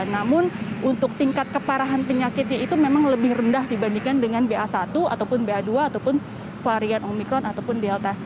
namun untuk tingkat keparahan penyakitnya itu memang lebih rendah dibandingkan dengan ba satu ataupun ba dua ataupun varian omikron ataupun delta